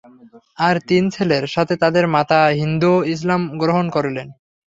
আর তিন ছেলের সাথে তাদের মাতা হিন্দও ইসলাম গ্রহণ করলেন।